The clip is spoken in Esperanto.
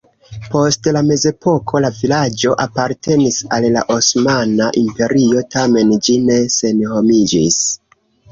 Post la mezepoko la vilaĝo apartenis al la Osmana Imperio, tamen ĝi ne senhomiĝis.